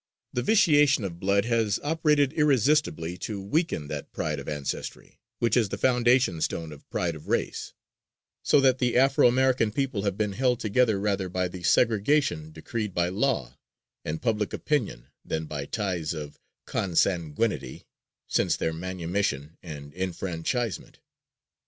The vitiation of blood has operated irresistibly to weaken that pride of ancestry, which is the foundation stone of pride of race; so that the Afro American people have been held together rather by the segregation decreed by law and public opinion than by ties of consanguinity since their manumission and enfranchisement.